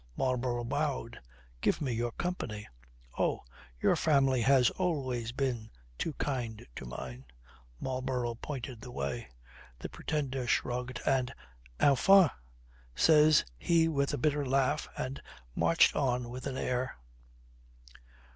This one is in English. Marlborough bowed. "Give me your company." "Oh, your family has always been too kind to mine." Marlborough pointed the way. The Pretender shrugged, and "Enfin," says he with a bitter laugh, and marched on with an air.